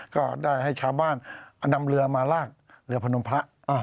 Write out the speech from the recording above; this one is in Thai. ก็ได้ให้ชาวบ้านนำเรือมาลากเรือพนมพระ